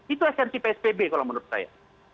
itu esensi psbb kalau menurut saya